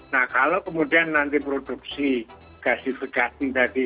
nah kalau kemudian nanti produksi gasifikasi tadi